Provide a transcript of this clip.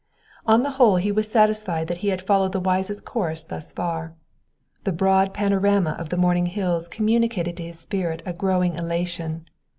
On the whole he was satisfied that he had followed the wisest course thus far. The broad panorama of the morning hills communicated to his spirit a growing elation.